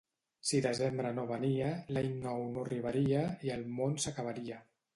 Si desembre no venia, l'any nou no arribaria, i el món s'acabaria.